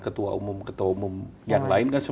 ketua umum ketua umum yang lain kan